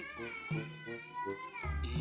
korbannya banyak banget arfi cik